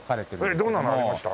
えっどんなのありました？